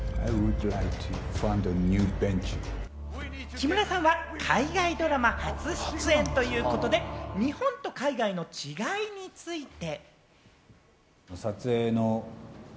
木村さんは海外ドラマ初出演ということで、日本と海外の違いについて。